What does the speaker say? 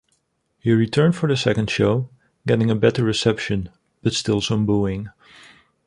He returned for the second show, getting a better reception, but still some booing.